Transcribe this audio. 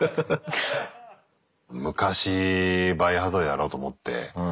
昔「バイオハザード」やろうと思ってね